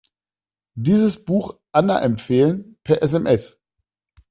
Dieses Buch Anna empfehlen, per SMS.